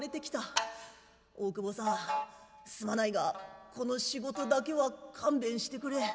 大久保さんすまないがこの仕事だけは勘弁してくれ」。